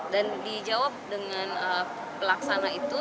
dan dijawab dengan pelaksana itu